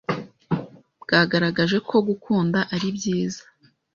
bwagaragaje ko gukunda ari byiza